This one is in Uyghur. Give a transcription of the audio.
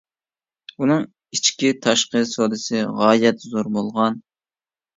ئۇنىڭ ئىچكى تاشقى سودىسى غايەت زور بولغان.